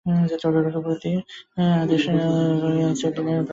রঘুপতির দিকে আঙুলি নির্দেশ করিয়া কহিলেন, এই ব্রাহ্মণ-ঠাকুর আমাকে জানেন।